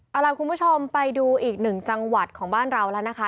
เอาล่ะคุณผู้ชมไปดูอีกหนึ่งจังหวัดของบ้านเราแล้วนะคะ